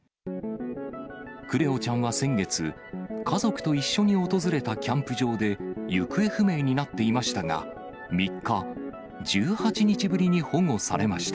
クレオちゃんは先月、家族と一緒に訪れたキャンプ場で、行方不明になっていましたが、３日、１８日ぶりに保護されました。